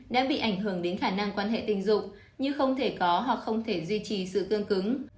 đã bị ảnh hưởng đến khả năng quan hệ tình dục nhưng không thể có hoặc không thể duy trì sự tương cứng